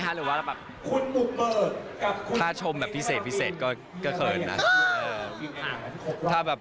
ถ้ามองเจ้าบุกเมิกถ้าชมอย่างพิเศษก็เขินนะ